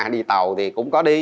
đi tàu thì cũng có đi